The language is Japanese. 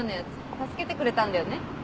助けてくれたんだよね？